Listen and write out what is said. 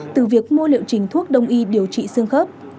từ việc mua liệu trình thuốc đông y điều trị xương khớp